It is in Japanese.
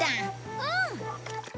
うん！